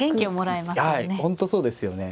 本当そうですよね。